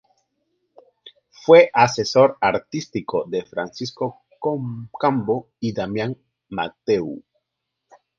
Fue asesor artístico de Francisco Cambó y Damián Mateu.